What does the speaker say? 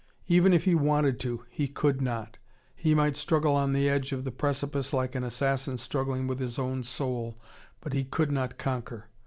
Even if he wanted to, he could not. He might struggle on the edge of the precipice like an assassin struggling with his own soul, but he could not conquer.